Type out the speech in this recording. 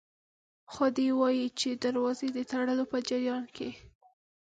خو دی وايي چې د دروازې د تړلو په جریان کې